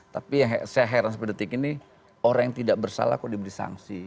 tapi saya heran seperti detik ini orang yang tidak bersalah kok diberi sanksi